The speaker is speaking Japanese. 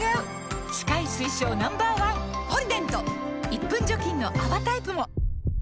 １分除菌の泡タイプも！